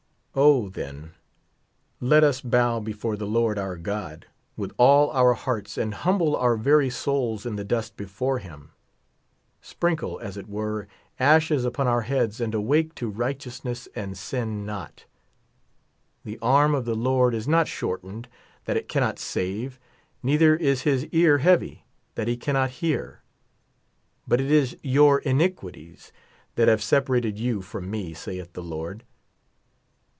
O, then, let us bow before the Lord our God, with all our hearts, and humble our very souls in the dust before him ; sprinkle, as it were, ashes upon our heads, and awake to righteousness, and sin not. The arm of the Lord is not shortened, that it cannot save ; neither is his ear heavy, that he cannot hear ; but it is your in iquities that have separated you from me, saith the Lord.